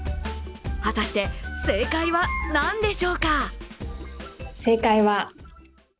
果たして、正解は何でしょうか？